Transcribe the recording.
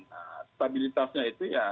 nah stabilitasnya itu ya